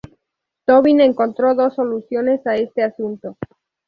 Tobin encontró dos soluciones a este asunto.